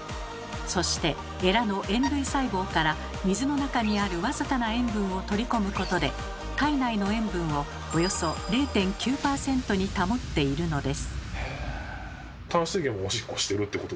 そしてエラの塩類細胞から水の中にある僅かな塩分を取り込むことで体内の塩分をおよそ０．９％に保っているのです。